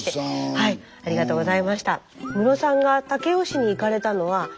はい。